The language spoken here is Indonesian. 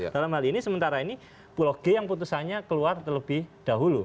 dalam hal ini sementara ini pulau g yang putusannya keluar terlebih dahulu